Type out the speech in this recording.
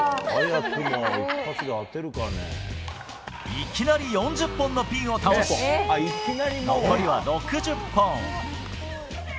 いきなり４０本のピンを倒し残りは６０本。